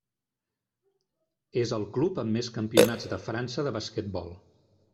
És el club amb més campionats de França de basquetbol.